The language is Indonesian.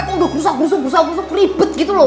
kok udah gusak gusuk gusuk ribet gitu loh